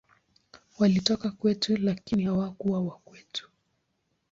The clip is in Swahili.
Walitoka kwetu, lakini hawakuwa wa kwetu.